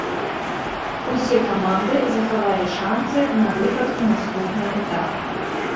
Усе каманды захавалі шанцы на выхад у наступны этап.